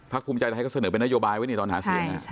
ภูมิใจไทยก็เสนอเป็นนโยบายไว้ในตอนหาเสียง